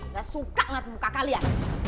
nggak suka ngelihat muka kalian